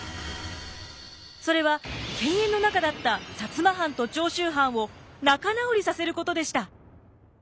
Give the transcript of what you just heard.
それは犬猿の仲だった摩藩と長州藩を仲直りさせることでした。